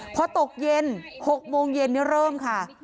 พอตกเย็น๖โมงเย็นนี้เริ่มค่ะ